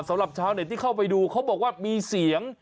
สำหรับชาวเน็ตที่เข้าไปดูเขาบอกว่ามีเสียง